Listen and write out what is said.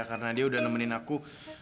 karena dia udah nemenin aku